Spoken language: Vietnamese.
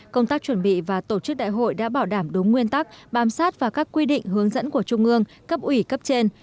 công tác chuẩn bị và tổ chức đại hội đã bảo đảm đúng nguyên tắc bám sát và các quy định hướng dẫn của trung ương cấp ủy cấp trên